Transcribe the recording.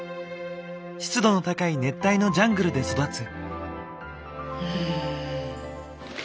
湿度の高い熱帯のジャングルで育つ。